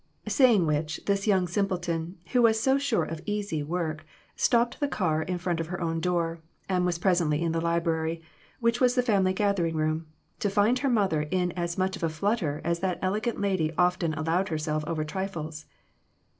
Saying which, this young simpleton, who was so sure of "easy" work, stopped the car in front of her own door, and was presently in the library, which was the family gathering room, to find her mother in as much of a flutter as that elegant lady often allowed herself over trifles.